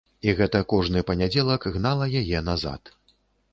І гэта кожны панядзелак гнала яе назад.